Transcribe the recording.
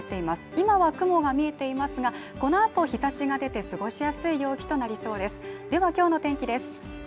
今は雲が見えていますがこのあと日差しが出て過ごしやすい陽気となりそうです